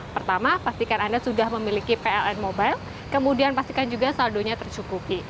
pertama pastikan anda sudah memiliki pln mobile kemudian pastikan juga saldonya tercukupi